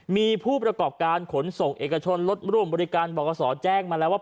มีผู้ประกอบการขนส่งเอกชนรถร่วมบริการบริการบริษฐศาสตร์แจ้งมาแล้วว่า